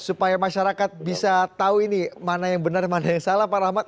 supaya masyarakat bisa tahu ini mana yang benar mana yang salah pak rahmat